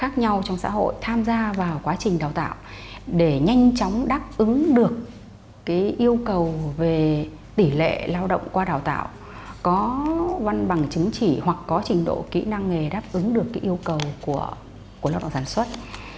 chỉ hoặc có trình độ kỹ năng nghề đáp ứng được yêu cầu của lọc đọc sản xuất